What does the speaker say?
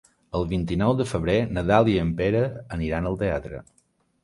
El vint-i-nou de febrer na Dàlia i en Pere aniran al teatre.